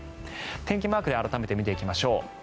天気マークで改めて見ていきましょう。